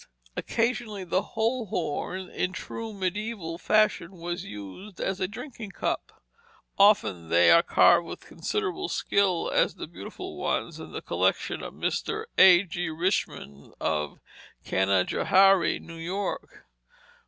Occasionally the whole horn, in true mediæval fashion, was used as a drinking cup. Often they were carved with considerable skill, as the beautiful ones in the collection of Mr. A. G. Richmond, of Canajoharie, New York.